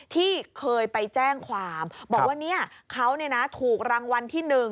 ที่เคยไปแจ้งความบอกว่าเขาถูกรางวัลที่๑